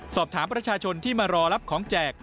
สอบถามประชาชนที่มารอรับของแจก